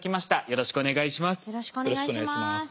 よろしくお願いします。